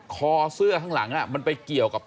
คอเสื้อข้างหลังมันไปเกี่ยวกับ